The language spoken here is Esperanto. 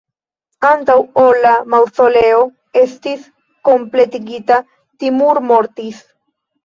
Antaŭ ol la maŭzoleo estis kompletigita, Timur mortis.